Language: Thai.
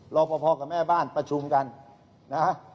รอปภกับแม่บ้านประชุมกันนะฮะ